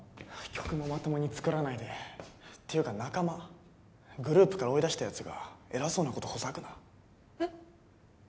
曲もまともに作らないでていうか仲間グループから追い出したやつが偉そうなことほざくなえっ？